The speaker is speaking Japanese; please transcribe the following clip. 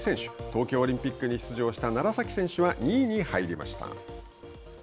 東京オリンピックに出場した楢崎選手は２位に入りました。